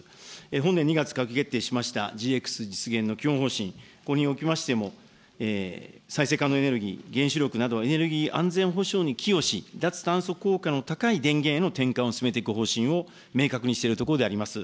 本年２月閣議決定しましたＧＸ実現の基本方針、ここにおきましても、再生可能エネルギー、原子力など、エネルギー安全保障に寄与し、脱炭素効果の高い電源への転換を進めていく方針を明確にしているところであります。